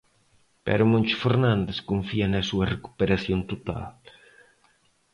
Pero Moncho Fernández confía na súa recuperación total.